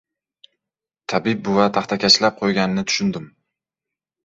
Tabib buva taxtakachlab qo‘yganini tushundim.